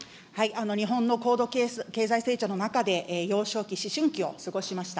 日本の高度経済成長の中で、幼少期、思春期を過ごしました。